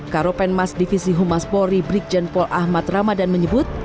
karopenmas divisi humaspori brikjenpol ahmad ramadan menyebut